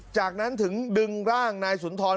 จากนั้นถึงดึงร่างนายสุนทร